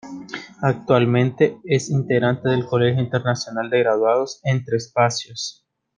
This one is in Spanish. Actualmente, es Integrante del Colegio Internacional de Graduados, “Entre Espacios.